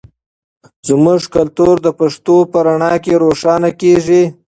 زموږ کلتور د پښتو په رڼا کې روښانه کیږي.